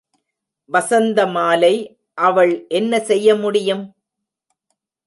வசந்த மாலை அவள் என்ன செய்யமுடியும்?